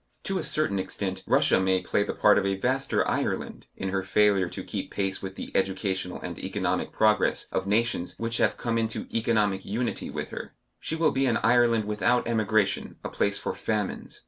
To a certain extent, Russia may play the part of a vaster Ireland, in her failure to keep pace with the educational and economic progress of nations which have come into economic unity with her. She will be an Ireland without emigration, a place for famines.